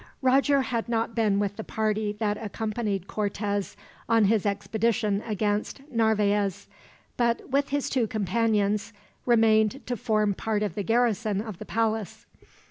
Roger had not been with the party that accompanied Cortez on his expedition against Narvaez; but, with his two companions, remained to form part of the garrison of the palace.